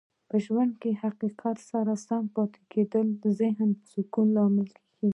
په ژوند کې د حقیقت سره سم پاتې کیدل د ذهنې سکون لامل کیږي.